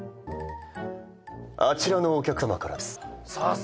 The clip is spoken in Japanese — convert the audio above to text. あちらのお客様からです。